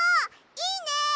いいね！